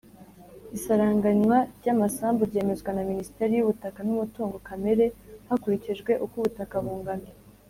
Isaranganywa ry amasambu ryemezwa na minisiteri y’ ubutaka n ‘umutungo kamere hakurikijwe uko ubutaka bungana